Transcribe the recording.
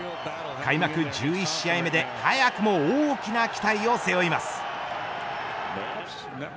開幕１１試合目で、早くも大きな期待を背負います。